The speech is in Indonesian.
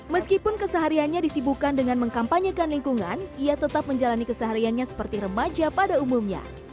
meskipun kesehariannya disibukan dengan mengkampanyekan lingkungan ia tetap menjalani kesehariannya seperti remaja pada umumnya